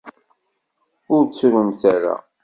Ur ttrumt ara!